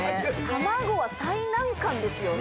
卵は最難関ですよね